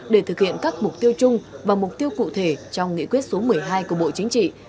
để thực hiện các mục tiêu chung và mục tiêu cụ thể trong nghị quyết số một mươi hai của bộ chính trị